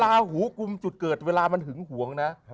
ลาหูกุมจุดเกิดเวลามันหึงหวงนะ